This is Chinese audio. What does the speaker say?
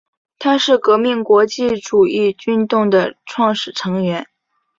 它是革命国际主义运动的创始成员。